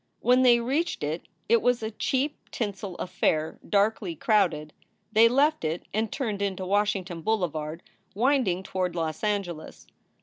When they reached it it was a cheap tinsel affair darkly crowded. They left it and turned into Washington Boule vard, winding toward Los Angeles.